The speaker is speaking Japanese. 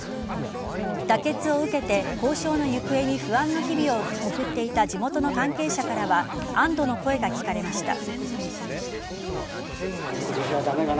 妥結を受けて交渉の行方に不安の日々を送っていた、地元の関係者からは安堵の声が聞かれました。